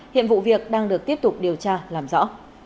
hiện vụ việc đang được tiếp tục điều tra làm rõ